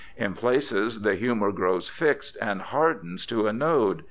In places the humour grows fixed and ' hardens to a node'.